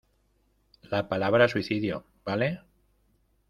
la palabra suicidio, ¿ vale?